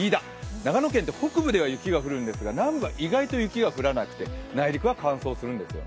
長野県って北部では雪が降るんですが、南部は意外と雪が降らなくて内陸は乾燥するんですよね。